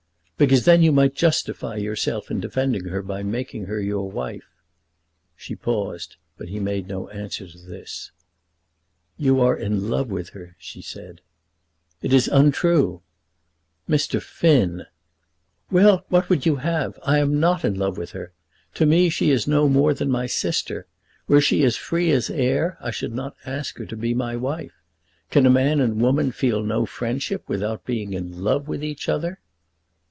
"Because then you might justify yourself in defending her by making her your wife." She paused, but he made no answer to this. "You are in love with her," she said. "It is untrue." "Mr. Finn!" "Well, what would you have? I am not in love with her. To me she is no more than my sister. Were she as free as air I should not ask her to be my wife. Can a man and woman feel no friendship without being in love with each other?"